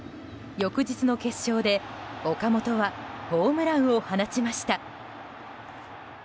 翌日の決勝で岡本はホームランを放ちました。